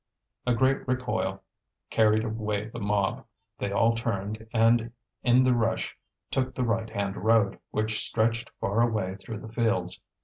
A great recoil carried away the mob. They all turned, and in the rush took the right hand road, which stretched far away through the fields.